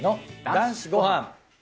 『男子ごはん』。